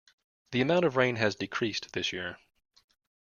The amount of rain has decreased this year.